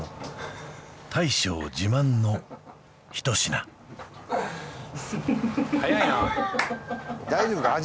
大将自慢の一品大丈夫か？